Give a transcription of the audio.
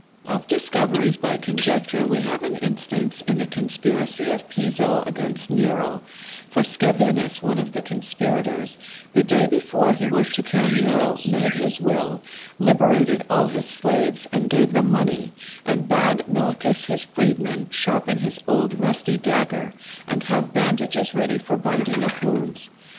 Of discoveries by conjecture we have an instance in the conspiracy of Piso against Nero; for Scaevinus, one of the conspirators, the day before he was to kill Nero, made his will, liberated all his slaves and gave them money, and bade Milichus, his freedman, sharpen his old rusty dagger, and have bandages ready for binding up wounds.